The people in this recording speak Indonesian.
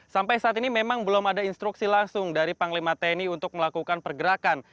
sampai saat ini memang belum ada instruksi langsung dari panglima tni untuk melakukan pergerakan